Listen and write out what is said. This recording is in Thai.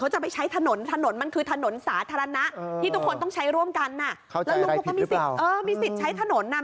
เข้าใจอะไรผิดหรือเปล่าแล้วลุงพวกมันมีสิทธิ์ใช้ถนนนะ